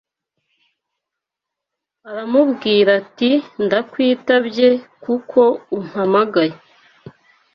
aramubwira ati ‘ndakwitabye, kuko umpamagaye